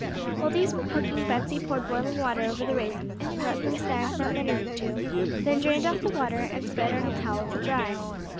While these were cooking Betsey poured boiling water over the raisins, let them stand for a minute or two, then drained off the water and spread on a towel to dry.